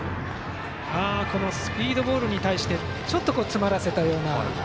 このスピードボールに対してちょっと詰まらせたような。